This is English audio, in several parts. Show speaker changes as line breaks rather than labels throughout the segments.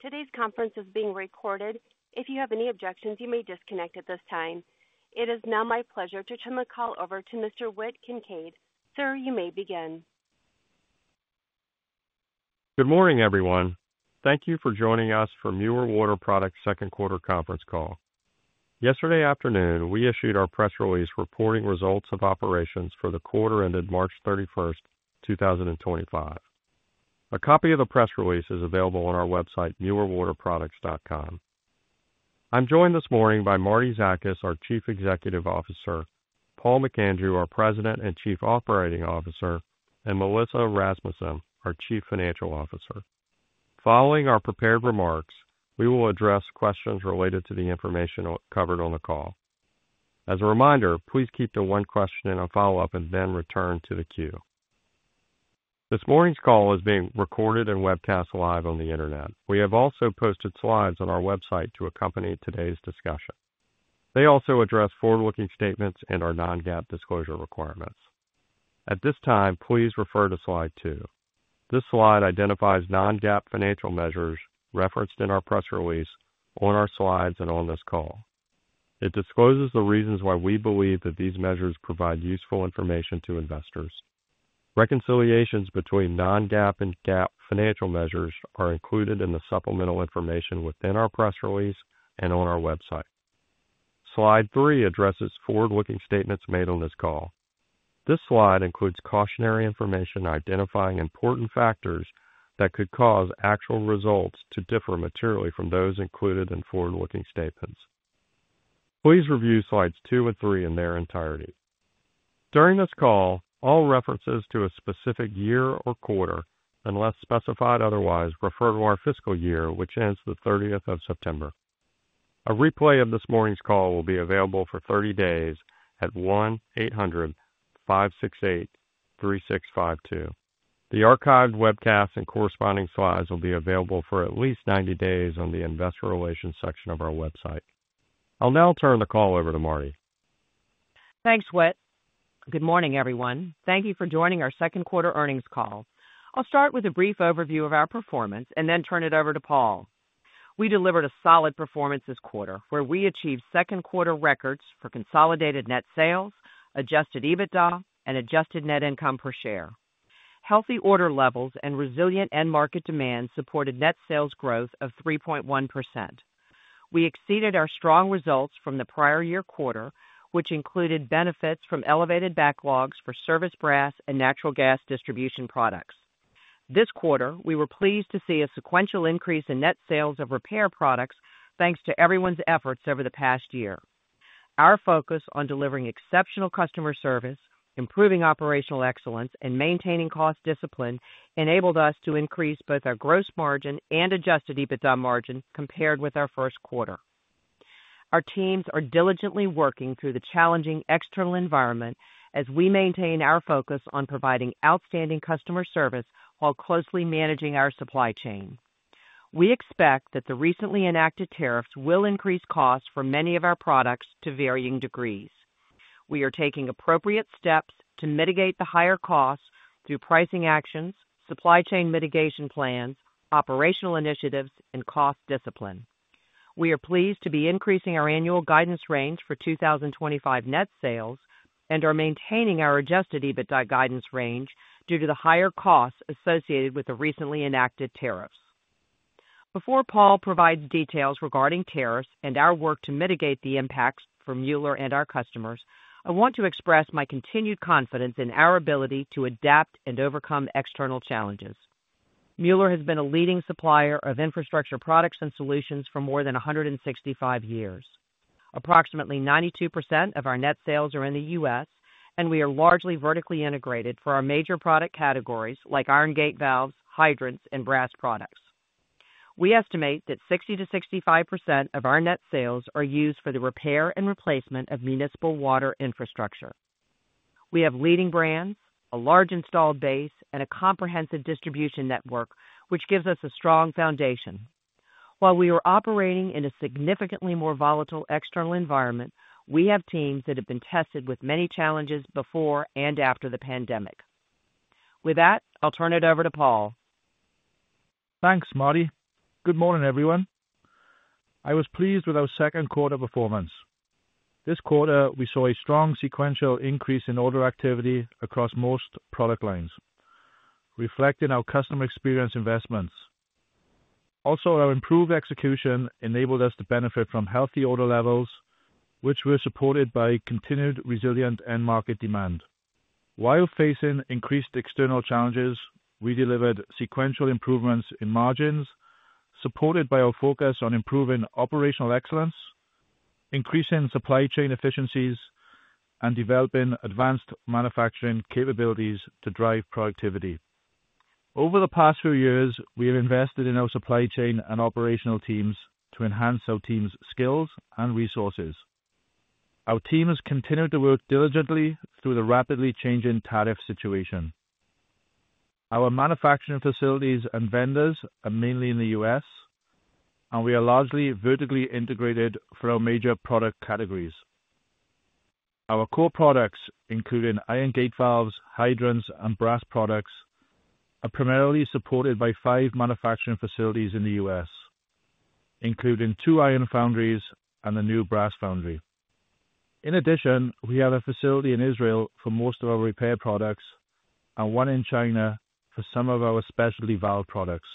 Today's conference is being recorded. If you have any objections, you may disconnect at this time. It is now my pleasure to turn the call over to Mr. Whit Kincaid. Sir, you may begin.
Good morning, everyone. Thank you for joining us for Mueller Water Products' second quarter conference call. Yesterday afternoon, we issued our press release reporting results of operations for the quarter ended March 31st, 2025. A copy of the press release is available on our website, muellerwaterproducts.com. I'm joined this morning by Martie Zakas, our Chief Executive Officer; Paul McAndrew, our President and Chief Operating Officer; and Melissa Rasmussen, our Chief Financial Officer. Following our prepared remarks, we will address questions related to the information covered on the call. As a reminder, please keep to one question and a follow-up, and then return to the queue. This morning's call is being recorded and webcast live on the Internet. We have also posted slides on our website to accompany today's discussion. They also address forward-looking statements and our non-GAAP disclosure requirements. At this time, please refer to slide two. This slide identifies non-GAAP financial measures referenced in our press release, on our slides, and on this call. It discloses the reasons why we believe that these measures provide useful information to investors. Reconciliations between non-GAAP and GAAP financial measures are included in the supplemental information within our press release and on our website. Slide three addresses forward-looking statements made on this call. This slide includes cautionary information identifying important factors that could cause actual results to differ materially from those included in forward-looking statements. Please review slides two and three in their entirety. During this call, all references to a specific year or quarter, unless specified otherwise, refer to our fiscal year, which ends the 30th of September. A replay of this morning's call will be available for 30 days at 1-800-568-3652. The archived webcasts and corresponding slides will be available for at least 90 days on the Investor Relations section of our website. I'll now turn the call over to Martie.
Thanks, Whit. Good morning, everyone. Thank you for joining our second quarter earnings call. I'll start with a brief overview of our performance and then turn it over to Paul. We delivered a solid performance this quarter, where we achieved second quarter records for consolidated net sales, adjusted EBITDA, and adjusted net income per share. Healthy order levels and resilient end market demand supported net sales growth of 3.1%. We exceeded our strong results from the prior year quarter, which included benefits from elevated backlogs for service brass and natural gas distribution products. This quarter, we were pleased to see a sequential increase in net sales of repair products thanks to everyone's efforts over the past year. Our focus on delivering exceptional customer service, improving operational excellence, and maintaining cost discipline enabled us to increase both our gross margin and adjusted EBITDA margin compared with our first quarter. Our teams are diligently working through the challenging external environment as we maintain our focus on providing outstanding customer service while closely managing our supply chain. We expect that the recently enacted tariffs will increase costs for many of our products to varying degrees. We are taking appropriate steps to mitigate the higher costs through pricing actions, supply chain mitigation plans, operational initiatives, and cost discipline. We are pleased to be increasing our annual guidance range for 2025 net sales and are maintaining our adjusted EBITDA guidance range due to the higher costs associated with the recently enacted tariffs. Before Paul provides details regarding tariffs and our work to mitigate the impacts for Mueller and our customers, I want to express my continued confidence in our ability to adapt and overcome external challenges. Mueller has been a leading supplier of infrastructure products and solutions for more than 165 years. Approximately 92% of our net sales are in the U.S., and we are largely vertically integrated for our major product categories like iron gate valves, hydrants, and brass products. We estimate that 60% to 65% of our net sales are used for the repair and replacement of municipal water infrastructure. We have a leading brand, a large installed base, and a comprehensive distribution network, which gives us a strong foundation. While we are operating in a significantly more volatile external environment, we have teams that have been tested with many challenges before and after the pandemic. With that, I'll turn it over to Paul.
Thanks, Martie. Good morning, everyone. I was pleased with our second quarter performance. This quarter, we saw a strong sequential increase in order activity across most product lines, reflecting our customer experience investments. Also, our improved execution enabled us to benefit from healthy order levels, which were supported by continued resilient end market demand. While facing increased external challenges, we delivered sequential improvements in margins, supported by our focus on improving operational excellence, increasing supply chain efficiencies, and developing advanced manufacturing capabilities to drive productivity. Over the past few years, we have invested in our supply chain and operational teams to enhance our team's skills and resources. Our team has continued to work diligently through the rapidly changing tariff situation. Our manufacturing facilities and vendors are mainly in the U.S., and we are largely vertically integrated for our major product categories. Our core products, including iron gate valves, hydrants, and brass products, are primarily supported by five manufacturing facilities in the U.S., including two iron foundries and the new brass foundry. In addition, we have a facility in Israel for most of our repair products and one in China for some of our specialty valve products.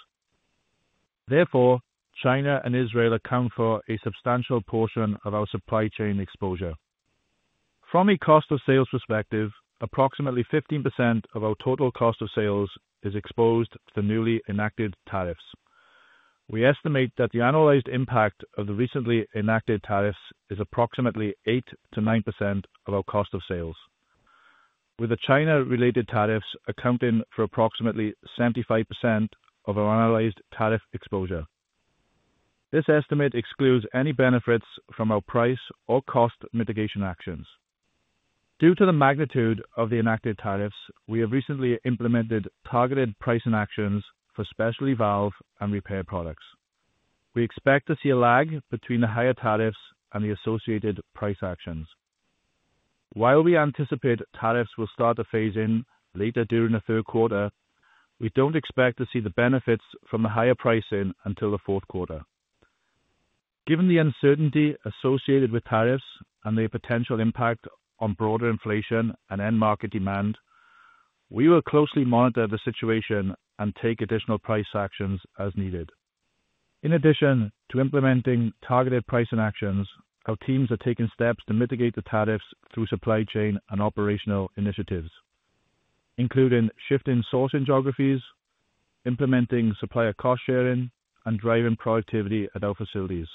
Therefore, China and Israel account for a substantial portion of our supply chain exposure. From a cost of sales perspective, approximately 15% of our total cost of sales is exposed to the newly enacted tariffs. We estimate that the analyzed impact of the recently enacted tariffs is approximately 8% to 9% of our cost of sales, with the China-related tariffs accounting for approximately 75% of our analyzed tariff exposure. This estimate excludes any benefits from our price or cost mitigation actions. Due to the magnitude of the enacted tariffs, we have recently implemented targeted pricing actions for specialty valve and repair products. We expect to see a lag between the higher tariffs and the associated price actions. While we anticipate tariffs will start to phase in later during the third quarter, we do not expect to see the benefits from the higher pricing until the fourth quarter. Given the uncertainty associated with tariffs and their potential impact on broader inflation and end market demand, we will closely monitor the situation and take additional price actions as needed. In addition to implementing targeted pricing actions, our teams are taking steps to mitigate the tariffs through supply chain and operational initiatives, including shifting sourcing geographies, implementing supplier cost sharing, and driving productivity at our facilities.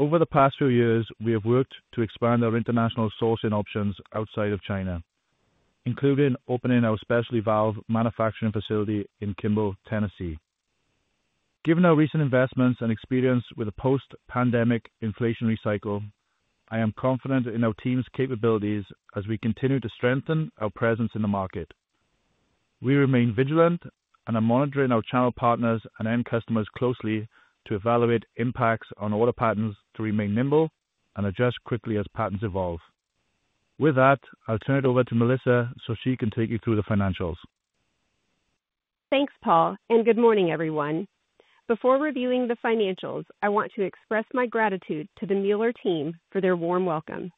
Over the past few years, we have worked to expand our international sourcing options outside of China, including opening our specialty valve manufacturing facility in Kimball, Tennessee. Given our recent investments and experience with a post-pandemic inflationary cycle, I am confident in our team's capabilities as we continue to strengthen our presence in the market. We remain vigilant and are monitoring our channel partners and end customers closely to evaluate impacts on order patterns to remain nimble and adjust quickly as patterns evolve. With that, I'll turn it over to Melissa so she can take you through the financials.
Thanks, Paul, and good morning, everyone. Before reviewing the financials, I want to express my gratitude to the Mueller team for their warm welcome.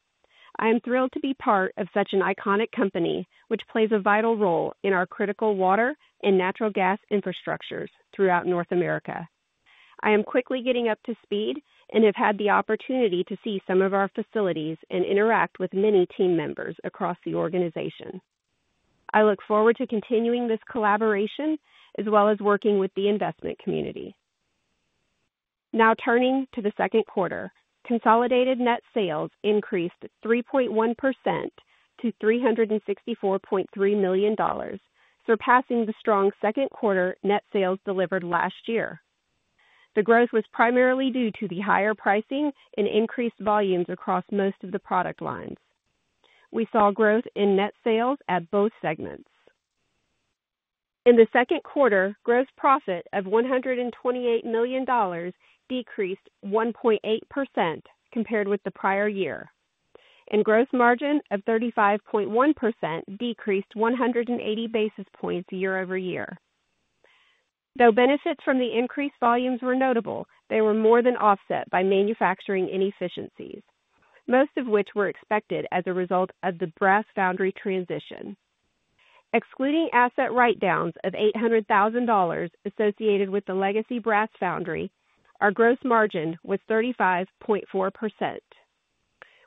I am thrilled to be part of such an iconic company, which plays a vital role in our critical water and natural gas infrastructures throughout North America. I am quickly getting up to speed and have had the opportunity to see some of our facilities and interact with many team members across the organization. I look forward to continuing this collaboration as well as working with the investment community. Now turning to the second quarter, consolidated net sales increased 3.1% to $364.3 million, surpassing the strong second quarter net sales delivered last year. The growth was primarily due to the higher pricing and increased volumes across most of the product lines. We saw growth in net sales at both segments. In the second quarter, gross profit of $128 million decreased 1.8% compared with the prior year, and gross margin of 35.1% decreased 180 basis points year-over-year. Though benefits from the increased volumes were notable, they were more than offset by manufacturing inefficiencies, most of which were expected as a result of the brass foundry transition. Excluding asset write-downs of $800,000 associated with the legacy brass foundry, our gross margin was 35.4%.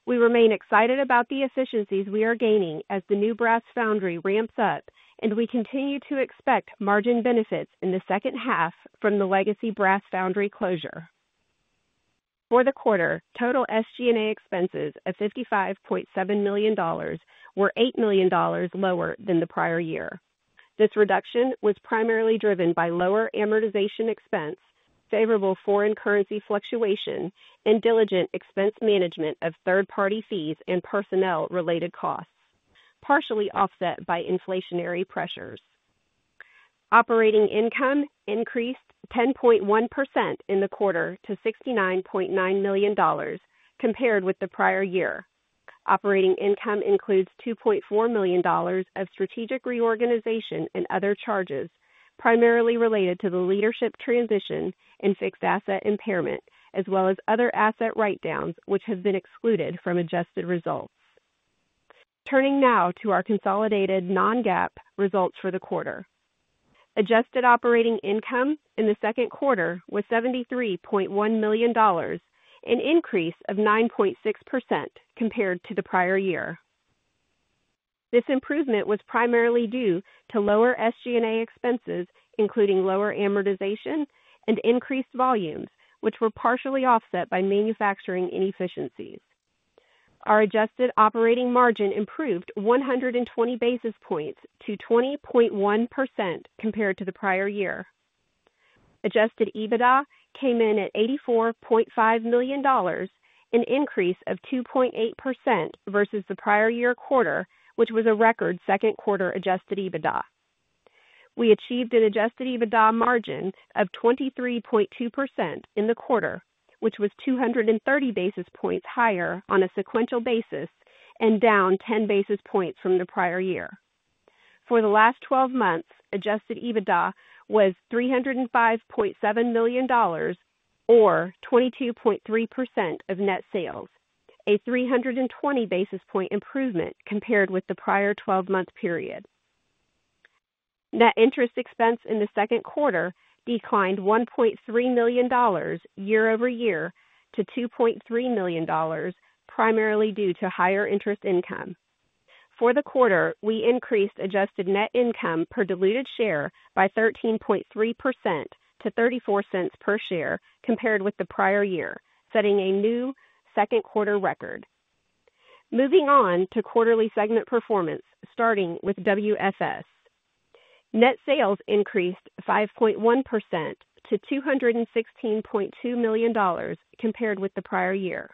We remain excited about the efficiencies we are gaining as the new brass foundry ramps up, and we continue to expect margin benefits in the second half from the legacy brass foundry closure. For the quarter, total SG&A expenses of $55.7 million were $8 million lower than the prior year. This reduction was primarily driven by lower amortization expense, favorable foreign currency fluctuation, and diligent expense management of third-party fees and personnel-related costs, partially offset by inflationary pressures. Operating income increased 10.1% in the quarter to $69.9 million compared with the prior year. Operating income includes $2.4 million of strategic reorganization and other charges primarily related to the leadership transition and fixed asset impairment, as well as other asset write-downs, which have been excluded from adjusted results. Turning now to our consolidated non-GAAP results for the quarter, adjusted operating income in the second quarter was $73.1 million, an increase of 9.6% compared to the prior year. This improvement was primarily due to lower SG&A expenses, including lower amortization and increased volumes, which were partially offset by manufacturing inefficiencies. Our adjusted operating margin improved 120 basis points to 20.1% compared to the prior year. Adjusted EBITDA came in at $84.5 million, an increase of 2.8% versus the prior year quarter, which was a record second quarter adjusted EBITDA. We achieved an adjusted EBITDA margin of 23.2% in the quarter, which was 230 basis points higher on a sequential basis and down 10 basis points from the prior year. For the last 12 months, adjusted EBITDA was $305.7 million, or 22.3% of net sales, a 320 basis point improvement compared with the prior 12-month period. Net interest expense in the second quarter declined $1.3 million year-over-year to $2.3 million, primarily due to higher interest income. For the quarter, we increased adjusted net income per diluted share by 13.3% to $0.34 per share compared with the prior year, setting a new second quarter record. Moving on to quarterly segment performance, starting with WSS. Net sales increased 5.1% to $216.2 million compared with the prior year,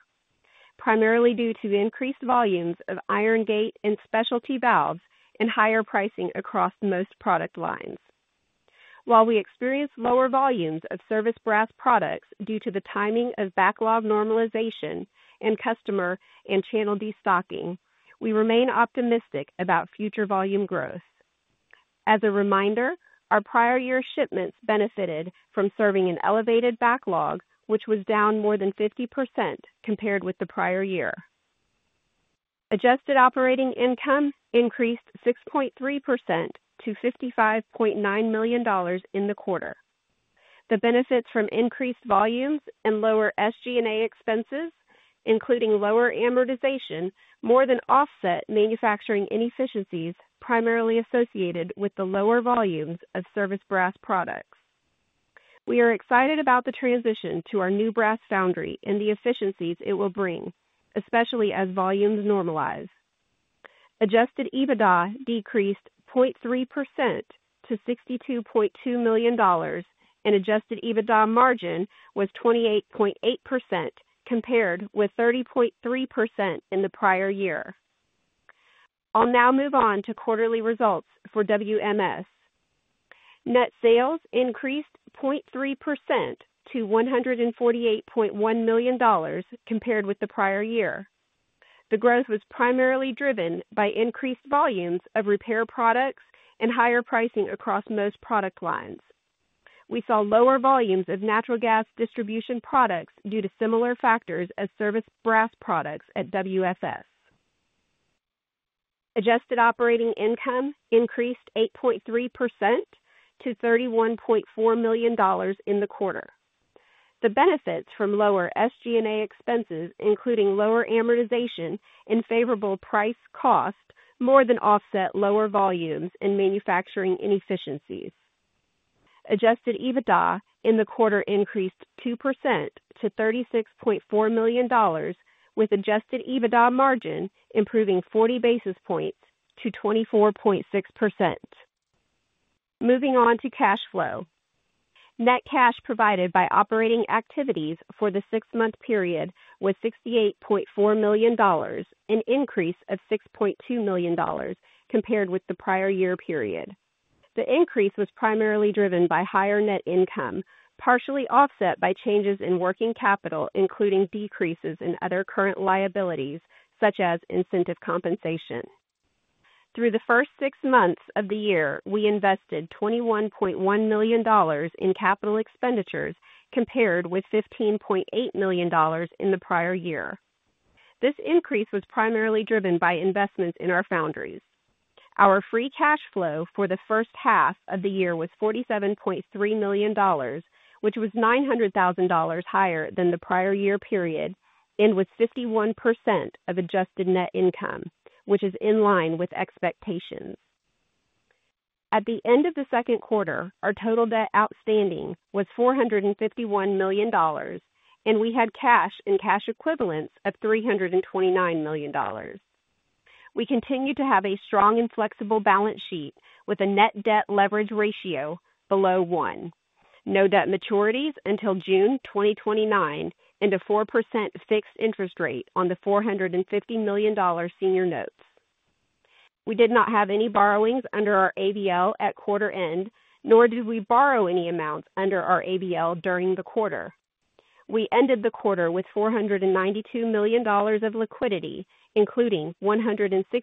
primarily due to increased volumes of iron gate and specialty valves and higher pricing across most product lines. While we experienced lower volumes of service brass products due to the timing of backlog normalization and customer and channel destocking, we remain optimistic about future volume growth. As a reminder, our prior year shipments benefited from serving an elevated backlog, which was down more than 50% compared with the prior year. Adjusted operating income increased 6.3% to $55.9 million in the quarter. The benefits from increased volumes and lower SG&A expenses, including lower amortization, more than offset manufacturing inefficiencies primarily associated with the lower volumes of service brass products. We are excited about the transition to our new brass foundry and the efficiencies it will bring, especially as volumes normalize. Adjusted EBITDA decreased 0.3% to $62.2 million, and adjusted EBITDA margin was 28.8% compared with 30.3% in the prior year. I'll now move on to quarterly results for WMS. Net sales increased 0.3% to $148.1 million compared with the prior year. The growth was primarily driven by increased volumes of repair products and higher pricing across most product lines. We saw lower volumes of natural gas distribution products due to similar factors as service brass products at WSS. Adjusted operating income increased 8.3% to $31.4 million in the quarter. The benefits from lower SG&A expenses, including lower amortization and favorable price cost, more than offset lower volumes and manufacturing inefficiencies. Adjusted EBITDA in the quarter increased 2% to $36.4 million, with adjusted EBITDA margin improving 40 basis points to 24.6%. Moving on to cash flow. Net cash provided by operating activities for the six-month period was $68.4 million, an increase of $6.2 million compared with the prior year period. The increase was primarily driven by higher net income, partially offset by changes in working capital, including decreases in other current liabilities such as incentive compensation. Through the first six months of the year, we invested $21.1 million in capital expenditures compared with $15.8 million in the prior year. This increase was primarily driven by investments in our foundries. Our free cash flow for the first half of the year was $47.3 million, which was $900,000 higher than the prior year period and was 51% of adjusted net income, which is in line with expectations. At the end of the second quarter, our total debt outstanding was $451 million, and we had cash and cash equivalents of $329 million. We continued to have a strong and flexible balance sheet with a net debt leverage ratio below one. No debt maturities until June 2029 and a 4% fixed interest rate on the $450 million senior notes. We did not have any borrowings under our ABL at quarter end, nor did we borrow any amounts under our ABL during the quarter. We ended the quarter with $492 million of liquidity, including $163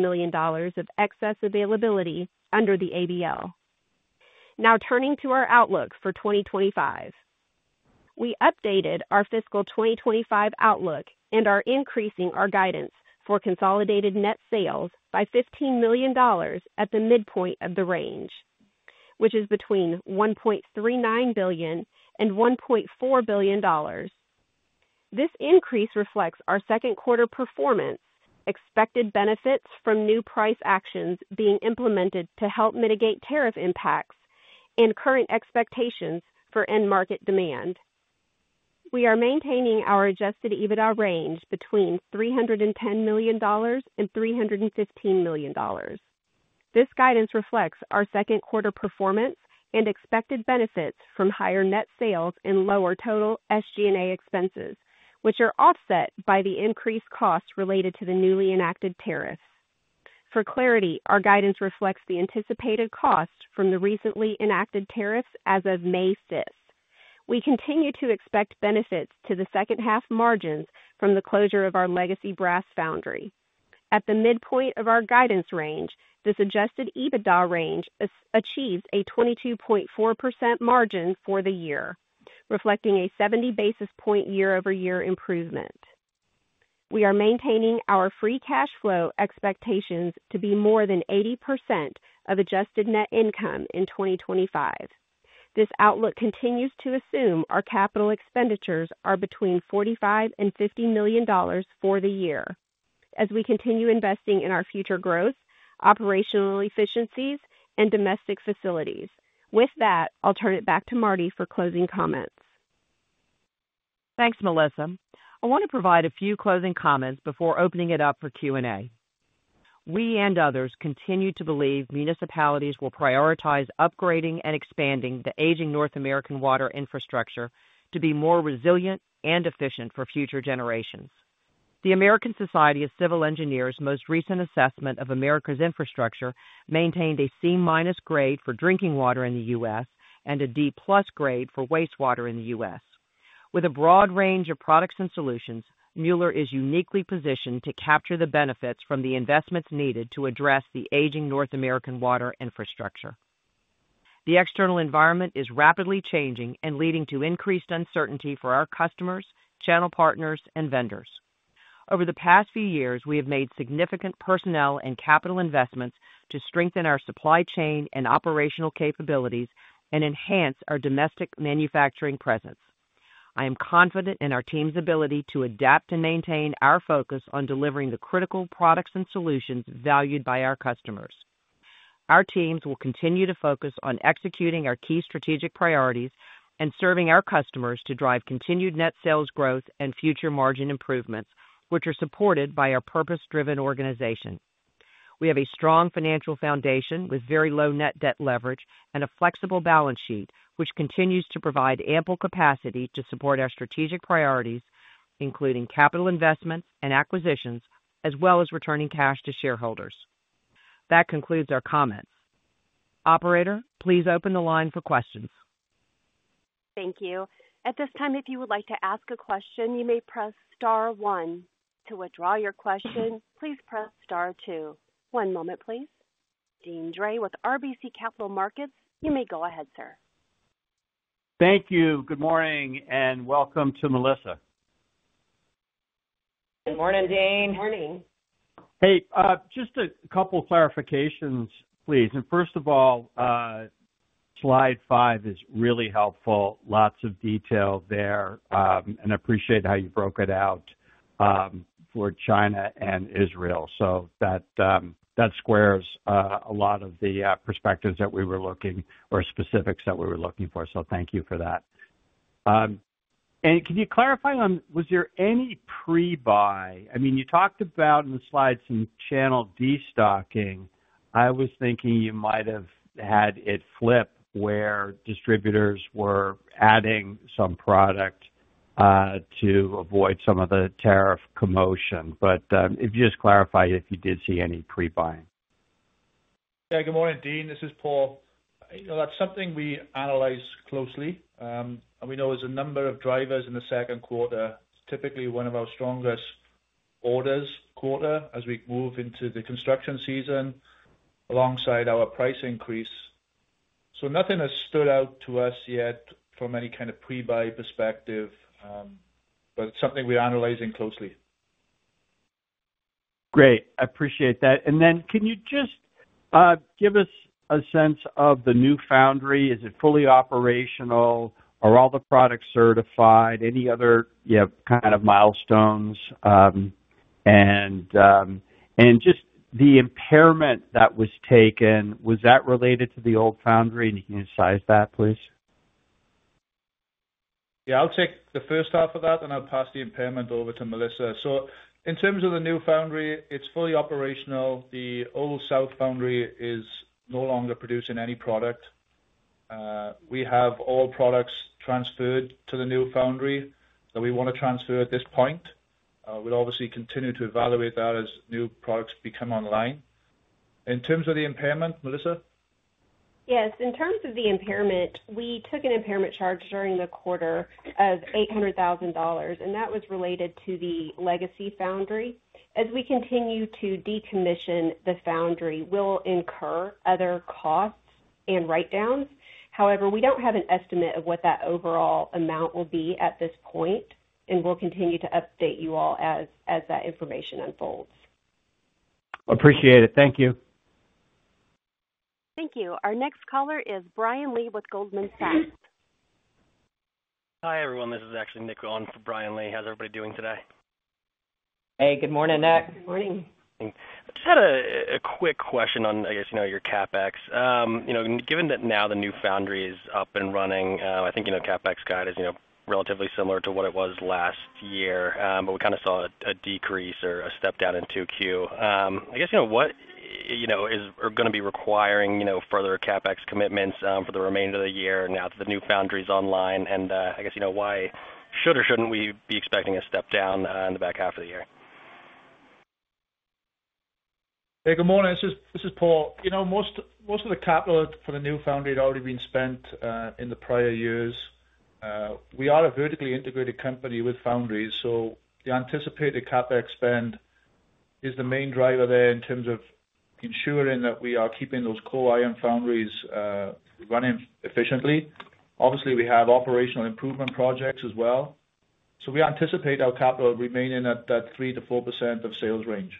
million of excess availability under the ABL. Now turning to our outlook for 2025, we updated our fiscal 2025 outlook and are increasing our guidance for consolidated net sales by $15 million at the midpoint of the range, which is between $1.39 billion and $1.4 billion. This increase reflects our second quarter performance, expected benefits from new price actions being implemented to help mitigate tariff impacts, and current expectations for end market demand. We are maintaining our adjusted EBITDA range between $310 million and $315 million. This guidance reflects our second quarter performance and expected benefits from higher net sales and lower total SG&A expenses, which are offset by the increased costs related to the newly enacted tariffs. For clarity, our guidance reflects the anticipated costs from the recently enacted tariffs as of May 5th. We continue to expect benefits to the second half margins from the closure of our legacy brass foundry. At the midpoint of our guidance range, this adjusted EBITDA range achieved a 22.4% margin for the year, reflecting a 70 basis point year-over-year improvement. We are maintaining our free cash flow expectations to be more than 80% of adjusted net income in 2025. This outlook continues to assume our capital expenditures are between $45 million and $50 million for the year, as we continue investing in our future growth, operational efficiencies, and domestic facilities. With that, I'll turn it back to Martie for closing comments.
Thanks, Melissa. I want to provide a few closing comments before opening it up for Q&A. We and others continue to believe municipalities will prioritize upgrading and expanding the aging North American water infrastructure to be more resilient and efficient for future generations. The American Society of Civil Engineers' most recent assessment of America's infrastructure maintained a C-minus grade for drinking water in the U.S. and a D-plus grade for wastewater in the U.S. With a broad range of products and solutions, Mueller is uniquely positioned to capture the benefits from the investments needed to address the aging North American water infrastructure. The external environment is rapidly changing and leading to increased uncertainty for our customers, channel partners, and vendors. Over the past few years, we have made significant personnel and capital investments to strengthen our supply chain and operational capabilities and enhance our domestic manufacturing presence. I am confident in our team's ability to adapt and maintain our focus on delivering the critical products and solutions valued by our customers. Our teams will continue to focus on executing our key strategic priorities and serving our customers to drive continued net sales growth and future margin improvements, which are supported by our purpose-driven organization. We have a strong financial foundation with very low net debt leverage and a flexible balance sheet, which continues to provide ample capacity to support our strategic priorities, including capital investments and acquisitions, as well as returning cash to shareholders. That concludes our comments. Operator, please open the line for questions.
Thank you. At this time, if you would like to ask a question, you may press star one. To withdraw your question, please press star two. One moment, please. Deane Dray with RBC Capital Markets, you may go ahead, sir.
Thank you. Good morning and welcome to Melissa.
Good morning, Dean. Morning.
Hey, just a couple of clarifications, please. First of all, slide five is really helpful. Lots of detail there, and I appreciate how you broke it out for China and Israel. That squares a lot of the perspectives that we were looking or specifics that we were looking for. Thank you for that. Can you clarify on, was there any pre-buy? I mean, you talked about in the slides some channel destocking. I was thinking you might have had it flip where distributors were adding some product to avoid some of the tariff commotion. If you just clarify if you did see any pre-buying.
Yeah, good morning, Dean. This is Paul. You know, that's something we analyze closely. We know there's a number of drivers in the second quarter, typically one of our strongest orders quarter as we move into the construction season alongside our price increase. Nothing has stood out to us yet from any kind of pre-buy perspective, but it's something we're analyzing closely.
Great. I appreciate that. Can you just give us a sense of the new foundry? Is it fully operational? Are all the products certified? Any other kind of milestones? Just the impairment that was taken, was that related to the old foundry? Can you size that, please?
Yeah, I'll take the first half of that, and I'll pass the impairment over to Melissa. In terms of the new foundry, it's fully operational. The old South foundry is no longer producing any product. We have all products transferred to the new foundry that we want to transfer at this point. We'll obviously continue to evaluate that as new products become online. In terms of the impairment, Melissa?
Yes. In terms of the impairment, we took an impairment charge during the quarter of $800,000, and that was related to the legacy foundry. As we continue to decommission the foundry, we will incur other costs and write-downs. However, we do not have an estimate of what that overall amount will be at this point, and we will continue to update you all as that information unfolds.
I appreciate it. Thank you.
Thank you. Our next caller is Brian Lee with Goldman Sachs.
Hi everyone. This is actually Nick Giovanni for Brian Lee. How's everybody doing today?
Hey, good morning, Nick.
Good morning.
I just had a quick question on, I guess, you know, your CapEx. You know, given that now the new foundry is up and running, I think, you know, CapEx guide is, you know, relatively similar to what it was last year, but we kind of saw a decrease or a step down in 2Q. I guess, you know, what, you know, is going to be requiring, you know, further CapEx commitments for the remainder of the year now that the new foundry is online? I guess, you know, why should or shouldn't we be expecting a step down in the back half of the year?
Hey, good morning. This is Paul. You know, most of the capital for the new foundry had already been spent in the prior years. We are a vertically integrated company with foundries, so the anticipated CapEx spend is the main driver there in terms of ensuring that we are keeping those core iron foundries running efficiently. Obviously, we have operational improvement projects as well. We anticipate our capital remaining at that 3% to 4% of sales range.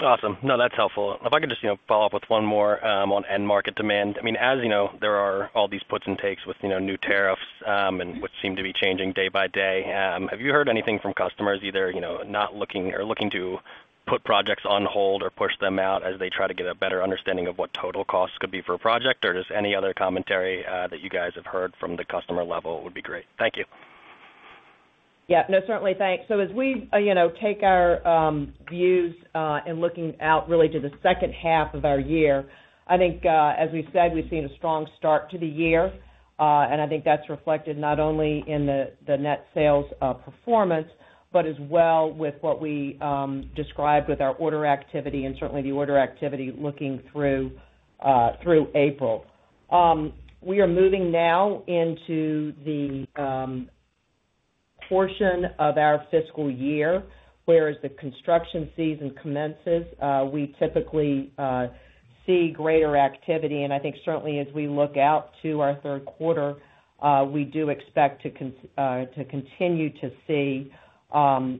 Awesome. No, that's helpful. If I can just, you know, follow up with one more on end market demand. I mean, as you know, there are all these puts and takes with, you know, new tariffs and what seem to be changing day-by-'day. Have you heard anything from customers, either, you know, not looking or looking to put projects on hold or push them out as they try to get a better understanding of what total costs could be for a project? Or just any other commentary that you guys have heard from the customer level would be great. Thank you.
Yeah, no, certainly. Thanks. As we, you know, take our views and looking out really to the second half of our year, I think, as we said, we've seen a strong start to the year. I think that's reflected not only in the net sales performance, but as well with what we described with our order activity and certainly the order activity looking through April. We are moving now into the portion of our fiscal year where as the construction season commences, we typically see greater activity. I think certainly as we look out to our third quarter, we do expect to continue to see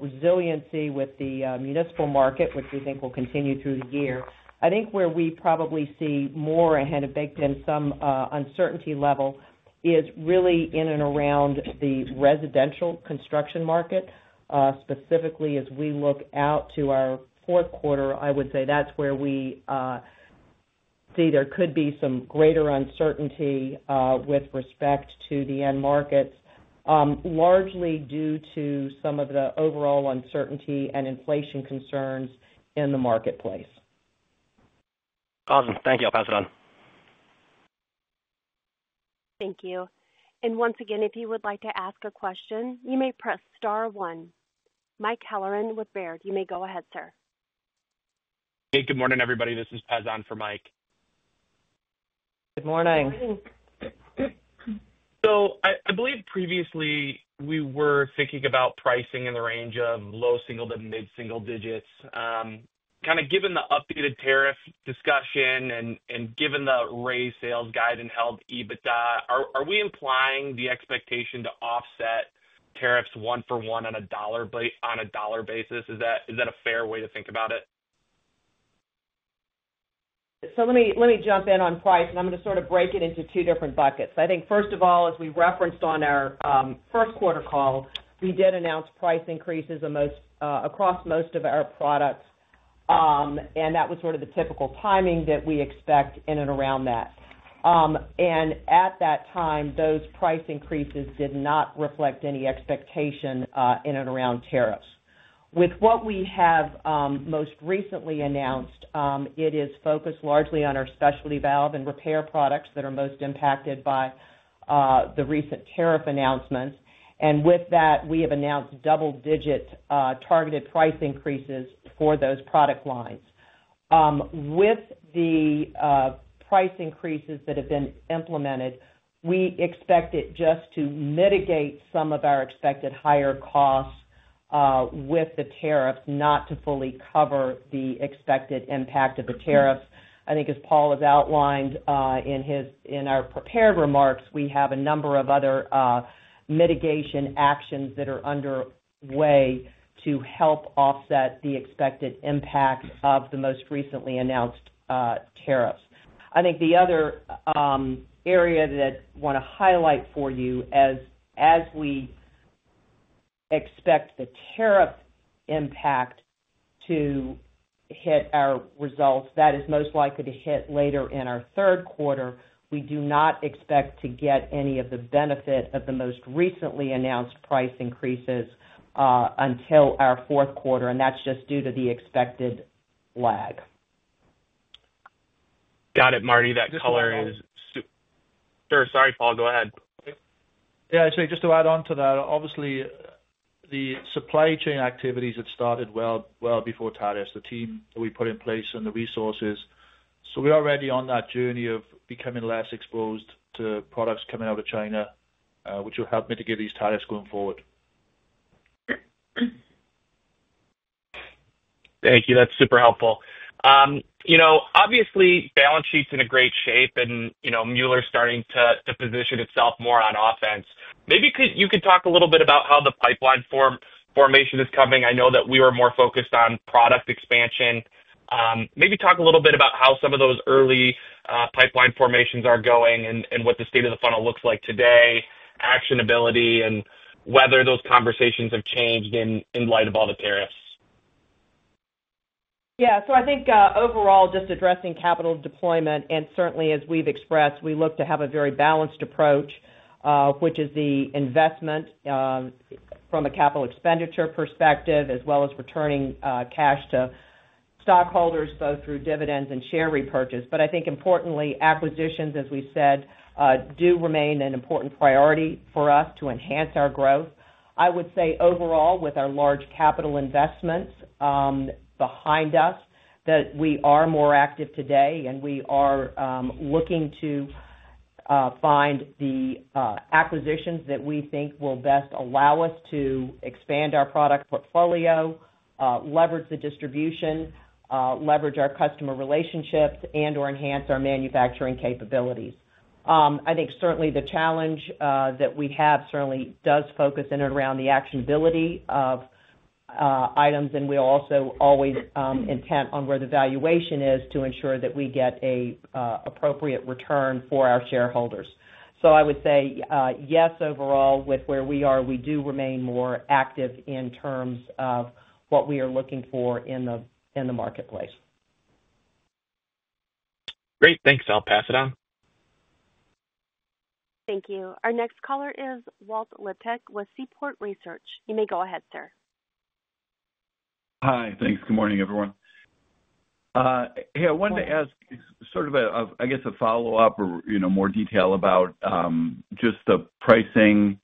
resiliency with the municipal market, which we think will continue through the year. I think where we probably see more and had a baked in some uncertainty level is really in and around the residential construction market. Specifically, as we look out to our fourth quarter, I would say that's where we see there could be some greater uncertainty with respect to the end markets, largely due to some of the overall uncertainty and inflation concerns in the marketplace.
Awesome. Thank you. I'll pass it on.
Thank you. Once again, if you would like to ask a question, you may press star one. Mike Halloran with Baird. You may go ahead, sir. Hey, good morning, everybody. This is Paz on for Mike.
Good morning. I believe previously we were thinking about pricing in the range of low single to mid single digits. Kind of given the updated tariff discussion and given the raised sales guide and held EBITDA, are we implying the expectation to offset tariffs one for one on a dollar basis? Is that a fair way to think about it? Let me jump in on price, and I'm going to sort of break it into two different buckets. I think, first of all, as we referenced on our first quarter call, we did announce price increases across most of our products. That was sort of the typical timing that we expect in and around that. At that time, those price increases did not reflect any expectation in and around tariffs. With what we have most recently announced, it is focused largely on our specialty valve and repair products that are most impacted by the recent tariff announcements. With that, we have announced double-digit targeted price increases for those product lines. With the price increases that have been implemented, we expect it just to mitigate some of our expected higher costs with the tariffs, not to fully cover the expected impact of the tariffs. I think, as Paul has outlined in our prepared remarks, we have a number of other mitigation actions that are underway to help offset the expected impact of the most recently announced tariffs. I think the other area that I want to highlight for you, as we expect the tariff impact to hit our results that is most likely to hit later in our third quarter, we do not expect to get any of the benefit of the most recently announced price increases until our fourth quarter. That is just due to the expected lag. Got it, Martie. That color is super. Sure. Sorry, Paul. Go ahead.
Yeah, actually, just to add on to that, obviously, the supply chain activities had started well before tariffs, the team that we put in place and the resources. We are already on that journey of becoming less exposed to products coming out of China, which will help mitigate these tariffs going forward. Thank you. That's super helpful. You know, obviously, balance sheet's in great shape, and, you know, Mueller's starting to position itself more on offense. Maybe you could talk a little bit about how the pipeline formation is coming. I know that we were more focused on product expansion. Maybe talk a little bit about how some of those early pipeline formations are going and what the state of the funnel looks like today, actionability, and whether those conversations have changed in light of all the tariffs?
Yeah. I think overall, just addressing capital deployment. Certainly, as we've expressed, we look to have a very balanced approach, which is the investment from a capital expenditure perspective, as well as returning cash to stockholders, both through dividends and share repurchase. I think, importantly, acquisitions, as we said, do remain an important priority for us to enhance our growth. I would say overall, with our large capital investments behind us, that we are more active today, and we are looking to find the acquisitions that we think will best allow us to expand our product portfolio, leverage the distribution, leverage our customer relationships, and/or enhance our manufacturing capabilities. I think certainly the challenge that we have certainly does focus in and around the actionability of items, and we also always intent on where the valuation is to ensure that we get an appropriate return for our shareholders. I would say, yes, overall, with where we are, we do remain more active in terms of what we are looking for in the marketplace. Great. Thanks. I'll pass it on.
Thank you. Our next caller is Walter Liptak with Seaport Research. You may go ahead, sir.
Hi. Thanks. Good morning, everyone. Hey, I wanted to ask sort of, I guess, a follow-up or, you know, more detail about just the pricing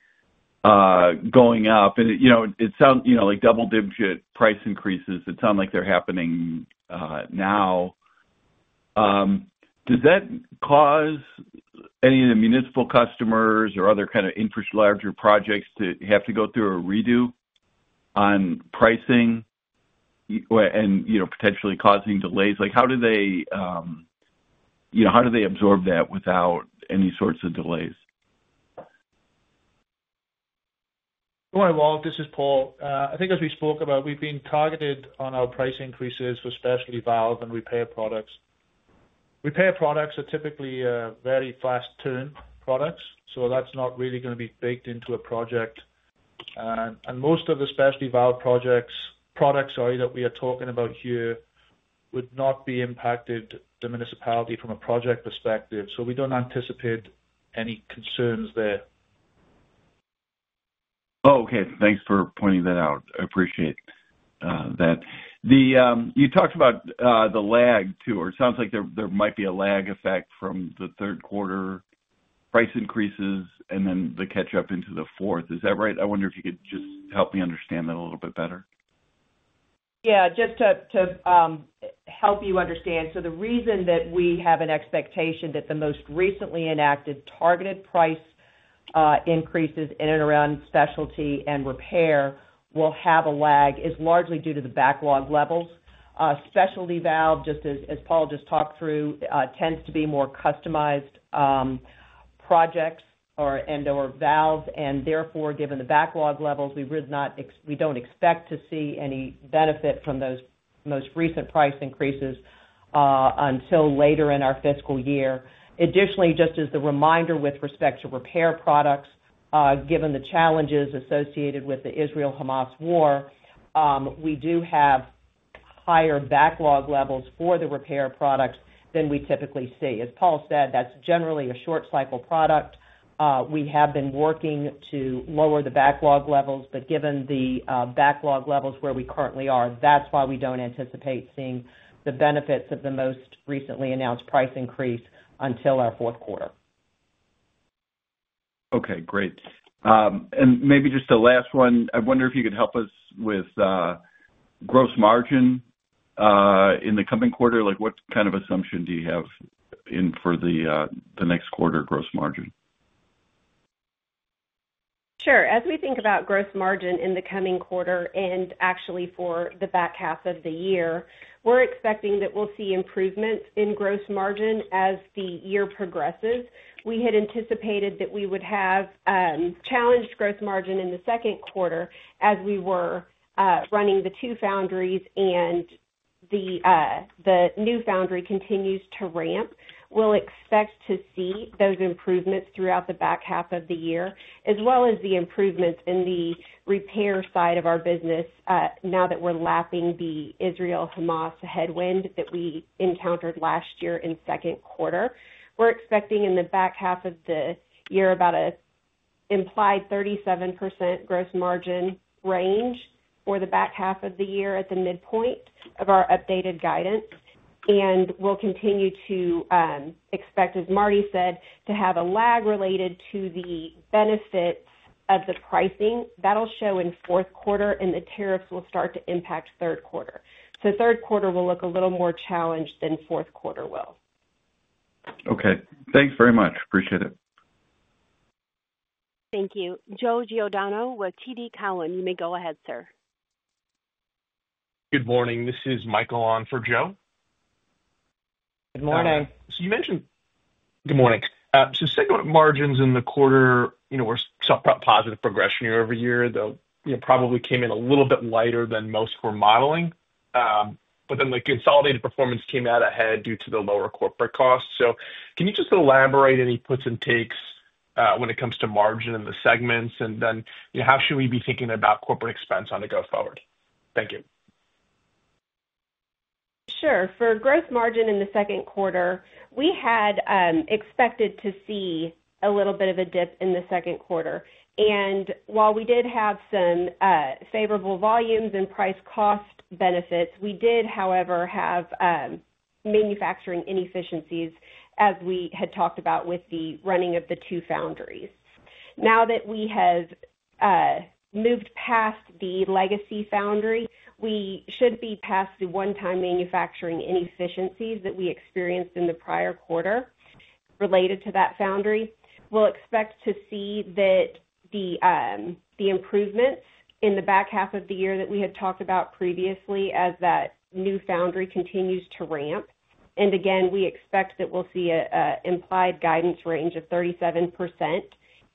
going up. You know, it sounds, you know, like double-digit price increases. It sounds like they're happening now. Does that cause any of the municipal customers or other kind of infrastructure larger projects to have to go through a redo on pricing and, you know, potentially causing delays? Like, how do they, you know, how do they absorb that without any sorts of delays?
Good morning, Walt. This is Paul. I think as we spoke about, we've been targeted on our price increases for specialty valve and repair products. Repair products are typically very fast turn products, so that's not really going to be baked into a project. Most of the specialty valve products, sorry, that we are talking about here would not be impacted by the municipality from a project perspective. We don't anticipate any concerns there.
Oh, okay. Thanks for pointing that out. I appreciate that. You talked about the lag too, or it sounds like there might be a lag effect from the third quarter price increases and then the catch-up into the fourth. Is that right? I wonder if you could just help me understand that a little bit better.
Yeah. Just to help you understand, the reason that we have an expectation that the most recently enacted targeted price increases in and around specialty and repair will have a lag is largely due to the backlog levels. Specialty valve, just as Paul just talked through, tends to be more customized projects and/or valves. Therefore, given the backlog levels, we do not expect to see any benefit from those most recent price increases until later in our fiscal year. Additionally, just as the reminder with respect to repair products, given the challenges associated with the Israel-Hamas war, we do have higher backlog levels for the repair products than we typically see. As Paul said, that is generally a short-cycle product. We have been working to lower the backlog levels, but given the backlog levels where we currently are, that's why we do not anticipate seeing the benefits of the most recently announced price increase until our fourth quarter.
Okay. Great. Maybe just the last one. I wonder if you could help us with gross margin in the coming quarter? Like, what kind of assumption do you have for the next quarter gross margin?
Sure. As we think about gross margin in the coming quarter and actually for the back half of the year, we're expecting that we'll see improvement in gross margin as the year progresses. We had anticipated that we would have challenged gross margin in the second quarter as we were running the two foundries, and the new foundry continues to ramp. We expect to see those improvements throughout the back half of the year, as well as the improvements in the repair side of our business now that we're lapping the Israel-Hamas headwind that we encountered last year in the second quarter. We're expecting in the back half of the year about an implied 37% gross margin range for the back half of the year at the midpoint of our updated guidance. We continue to expect, as Martie said, to have a lag related to the benefits of the pricing. That'll show in fourth quarter and the tariffs will start to impact third quarter. Third quarter will look a little more challenged than fourth quarter will.
Okay. Thanks very much. Appreciate it.
Thank you. Joe Giordano with TD Cowen. You may go ahead, sir. Good morning. This is Michael on for Joe.
Good morning. You mentioned good morning. Segment margins in the quarter, you know, were somewhat positive progression year-over-year. They, you know, probably came in a little bit lighter than most were modeling. The consolidated performance came out ahead due to the lower corporate costs. Can you just elaborate any puts and takes when it comes to margin in the segments? And then, you know, how should we be thinking about corporate expense on the go-forward? Thank you. Sure. For gross margin in the second quarter, we had expected to see a little bit of a dip in the second quarter. While we did have some favorable volumes and price-cost benefits, we did, however, have manufacturing inefficiencies as we had talked about with the running of the two foundries. Now that we have moved past the legacy foundry, we should be past the one-time manufacturing inefficiencies that we experienced in the prior quarter related to that foundry. We will expect to see the improvements in the back half of the year that we had talked about previously as that new foundry continues to ramp. Again, we expect that we will see an implied guidance range of 37%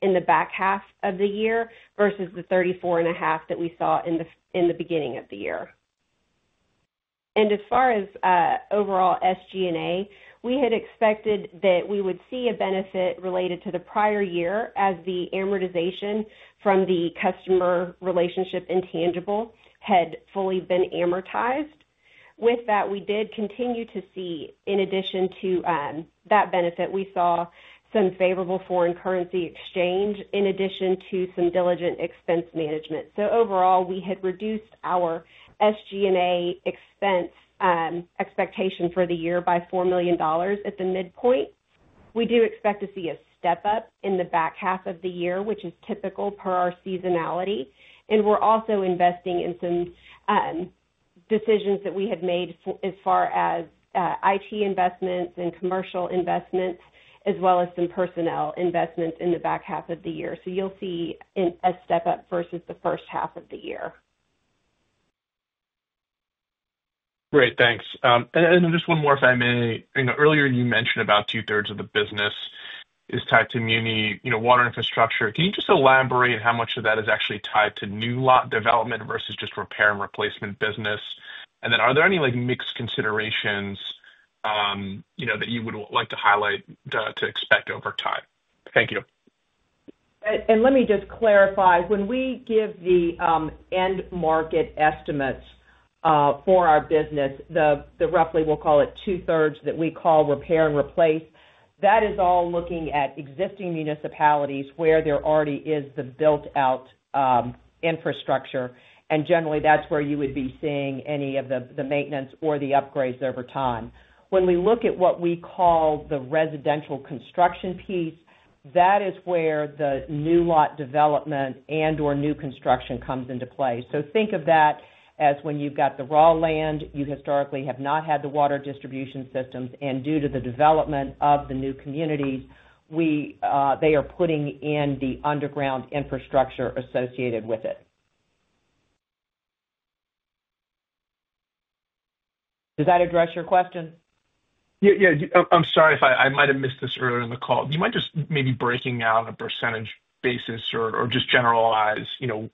in the back half of the year versus the 34.5% that we saw in the beginning of the year. As far as overall SG&A, we had expected that we would see a benefit related to the prior year as the amortization from the customer relationship intangible had fully been amortized. With that, we did continue to see, in addition to that benefit, we saw some favorable foreign currency exchange in addition to some diligent expense management. Overall, we had reduced our SG&A expense expectation for the year by $4 million at the midpoint. We do expect to see a step-up in the back half of the year, which is typical per our seasonality. We are also investing in some decisions that we had made as far as IT investments and commercial investments, as well as some personnel investments in the back half of the year. You will see a step-up versus the first half of the year. Great. Thanks. Just one more, if I may. You know, earlier you mentioned about two-thirds of the business is tied to muni, you know, water infrastructure. Can you just elaborate how much of that is actually tied to new lot development versus just repair and replacement business? Are there any, like, mixed considerations, you know, that you would like to highlight to expect over time? Thank you. Let me just clarify. When we give the end market estimates for our business, the roughly, we'll call it two-thirds that we call repair and replace, that is all looking at existing municipalities where there already is the built-out infrastructure. Generally, that's where you would be seeing any of the maintenance or the upgrades over time. When we look at what we call the residential construction piece, that is where the new lot development and/or new construction comes into play. Think of that as when you've got the raw land, you historically have not had the water distribution systems. Due to the development of the new communities, they are putting in the underground infrastructure associated with it. Does that address your question? Yeah. Yeah. I'm sorry if I might have missed this earlier in the call. Do you mind just maybe breaking out on a percentage basis or just generalize, you know,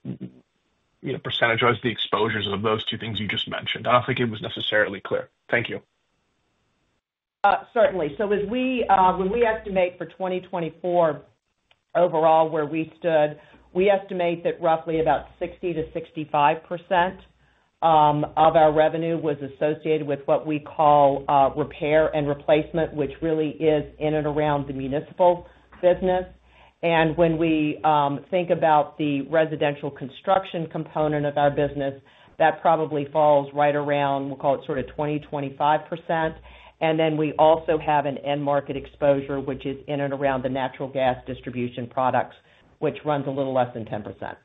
percentage-wise the exposures of those two things you just mentioned? I don't think it was necessarily clear. Thank you. Certainly. When we estimate for 2024 overall where we stood, we estimate that roughly about 60% to 65% of our revenue was associated with what we call repair and replacement, which really is in and around the municipal business. When we think about the residential construction component of our business, that probably falls right around, we will call it sort of 20% to 25%. We also have an end market exposure, which is in and around the natural gas distribution products, which runs a little less than 10%.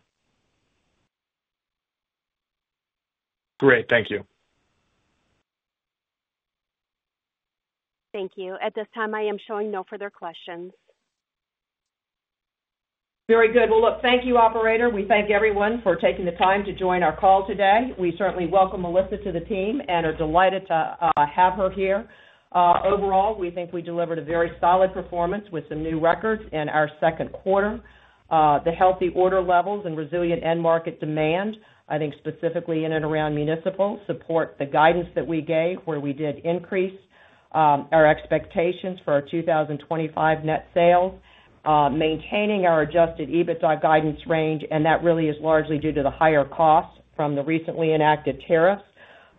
Great. Thank you.
Thank you. At this time, I am showing no further questions.
Very good. Look, thank you, Operator. We thank everyone for taking the time to join our call today. We certainly welcome Melissa to the team and are delighted to have her here. Overall, we think we delivered a very solid performance with some new records in our second quarter. The healthy order levels and resilient end market demand, I think specifically in and around municipal, support the guidance that we gave where we did increase our expectations for our 2025 net sales, maintaining our adjusted EBITDA guidance range. That really is largely due to the higher costs from the recently enacted tariffs.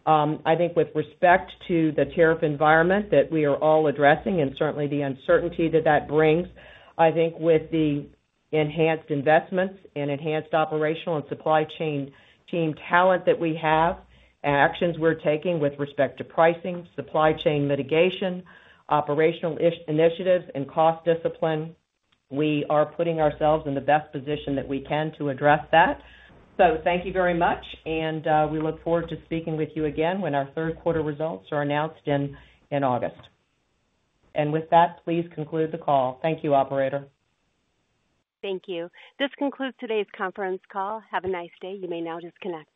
I think with respect to the tariff environment that we are all addressing and certainly the uncertainty that that brings, I think with the enhanced investments and enhanced operational and supply chain team talent that we have, actions we are taking with respect to pricing, supply chain mitigation, operational initiatives, and cost discipline, we are putting ourselves in the best position that we can to address that. Thank you very much. We look forward to speaking with you again when our third quarter results are announced in August. With that, please conclude the call. Thank you, Operator.
Thank you. This concludes today's conference call. Have a nice day. You may now disconnect.